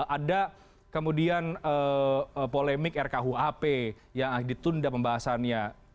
ada kemudian polemik rkuhp yang ditunda pembahasannya